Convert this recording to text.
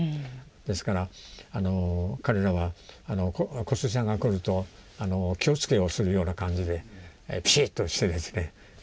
ですから彼らは小杉さんが来ると気をつけをするような感じでピシッとしてですね。